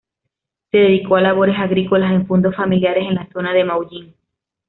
Se dedicó a labores agrícolas en fundos familiares, en la zona de Maullín.